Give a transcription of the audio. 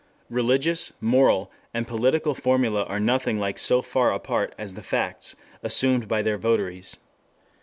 Religious, moral and political formulae are nothing like so far apart as the facts assumed by their votaries.